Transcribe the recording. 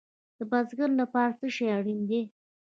د بزګر لپاره څه شی اړین دی؟